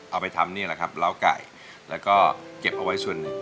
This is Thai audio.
เอาไปทำนี่แหละครับล้าวไก่แล้วก็เก็บเอาไว้ส่วนหนึ่ง